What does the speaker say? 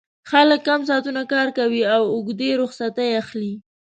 خلک کم ساعتونه کار کوي او اوږدې رخصتۍ اخلي